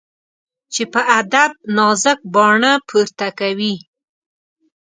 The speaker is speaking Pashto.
چي په ادب نازک باڼه پورته کوي